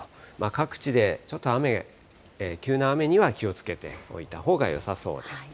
各地でちょっと雨、急な雨には気をつけておいたほうがよさそうです。